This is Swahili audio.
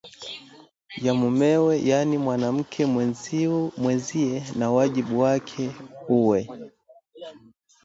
ya ‘mumewe’ yaani mwanamke mwenzie na wajibu wake uwe